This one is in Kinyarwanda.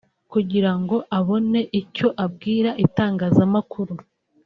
kugirango abone icyo abwira itangazamakuru